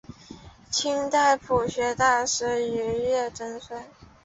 清代朴学大师俞樾曾孙。